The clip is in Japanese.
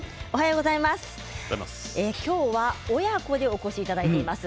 今日は親子でお越しいただいています。